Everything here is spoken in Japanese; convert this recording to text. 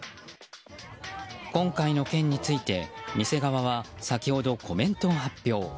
今回の件について店側は先ほどコメントを発表。